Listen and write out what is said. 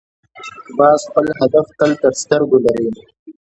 باز خپل هدف تل تر سترګو لري